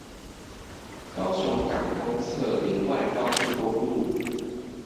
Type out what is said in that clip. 高雄港東側聯外高速公路